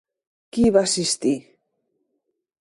Qui hi va assistir?